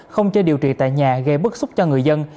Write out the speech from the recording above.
không cho điều trị tại nhà gây bức xúc cho người dân